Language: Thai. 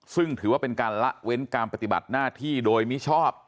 ซึ่งถือว่าเป็นการละเว้นการปฏิบัติหน้าที่โดยมิชอบ